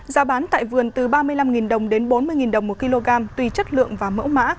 giá bán tại vườn từ ba mươi năm đồng đến bốn mươi đồng một kg tùy chất lượng và mẫu mã